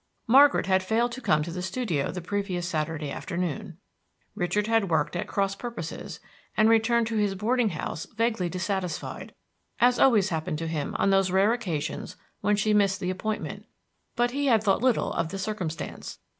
Margaret had failed to come to the studio the previous Saturday afternoon. Richard had worked at cross purposes and returned to his boarding house vaguely dissatisfied, as always happened to him on those rare occasions when she missed the appointment; but he had thought little of the circumstance.